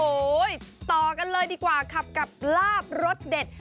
โอ้โหต่อกันเลยดีกว่าขับกับลาบรสเด็ด